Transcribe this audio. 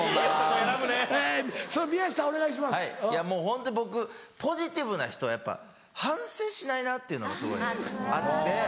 ホントに僕ポジティブな人はやっぱ反省しないなっていうのがすごいあって。